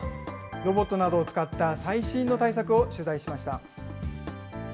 ロボットなどを使った最新の対策を取材しました。